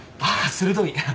鋭い。